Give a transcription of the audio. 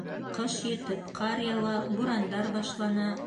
Ҡыш етеп, ҡар яуа, бурандар башлана.